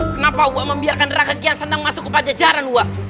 kenapa saya membiarkan rakyat yang senang masuk ke panjajaran saya